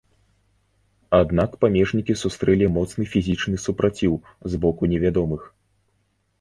Аднак памежнікі сустрэлі моцны фізічны супраціў з боку невядомых.